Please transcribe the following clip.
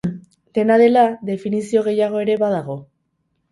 Dena dela, definizio gehiago ere badago.